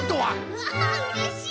うわうれしい！